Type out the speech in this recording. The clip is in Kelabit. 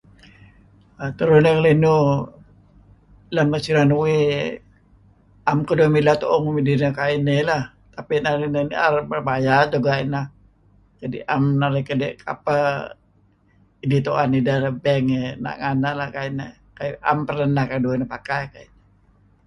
Tulu narih ngelinuh lem nuk siren uih naem keuih mileh ngen nuk midih kayu' ineh lah. Tapi inan nier merbahaya teh ineh. Kadi' naem narih keli' kapeh idih tuen ideh lem bank nga' nganeh ka' ineh. Naem pernah keduih neh pakai.